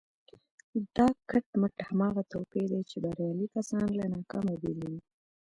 دا کټ مټ هماغه توپير دی چې بريالي کسان له ناکامو بېلوي.